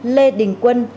lê đình quân